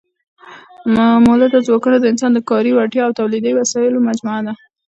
مؤلده ځواکونه د انسان د کاري وړتیا او تولیدي وسایلو مجموعه ده.